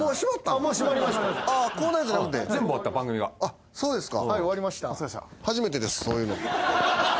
あっそうですか。